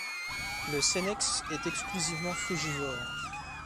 Le Senex est exclusivement frugivore.